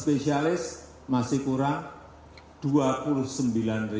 berarti uzuran sekitar sembilan puluh